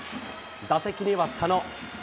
打席には佐野。